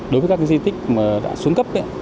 đối với các di tích mà đã xuống cấp